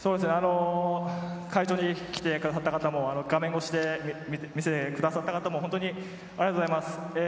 会場に来てくださった方も画面越しに見てくださった方もありがとうございます。